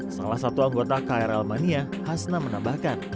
salah satu anggota krl mania hasna menambahkan